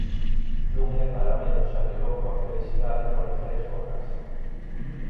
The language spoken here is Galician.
Non é para menos xa que logo a felicidade no regreso á casa.